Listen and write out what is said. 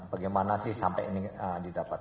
bagaimana sih sampai ini didapat